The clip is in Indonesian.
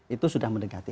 itu sudah mendekati empat